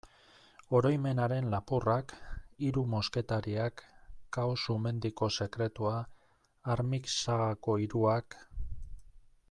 Oroimenaren lapurrak, Hiru mosketariak, Kao-Sumendiko sekretua, Armix sagako hiruak...